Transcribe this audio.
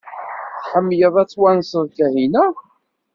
Tḥemmleḍ ad twanseḍ Kahina?